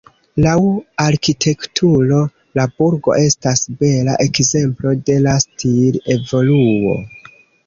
Laŭ arkitekturo la burgo estas bela ekzemplo de la stil-evoluo.